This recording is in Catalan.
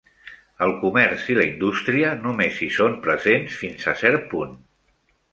El comerç i la indústria només hi són presents fins a cert punt.